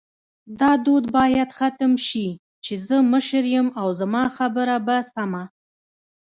دا دود باید ختم شې چی زه مشر یم او زما خبره به سمه